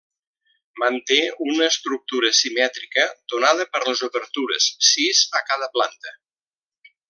Manté una estructura simètrica donada per les obertures, sis a cada planta.